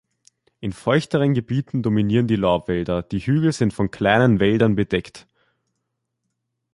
In feuchteren Gebieten dominieren die Laubwälder, die Hügel sind von kleinen Wäldern bedeckt.